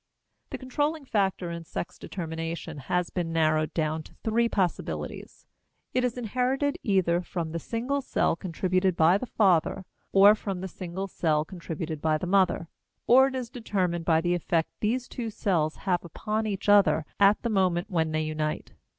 The controlling factor in sex determination has been narrowed down to three possibilities; it is inherited either from the single cell contributed by the father or from the single cell contributed by the mother, or it is determined by the effect these two cells have upon each other at the moment when they unite.